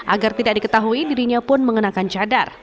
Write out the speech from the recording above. agar tidak diketahui dirinya pun mengenakan cadar